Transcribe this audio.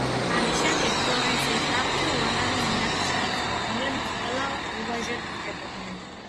ამის შემდეგ ფლორენციის ტახტზე უამრავი მონარქი შეიცვალა, რომლებიც ყველა უვაჟოდ კვდებოდნენ.